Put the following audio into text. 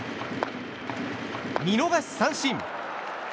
見逃し三振。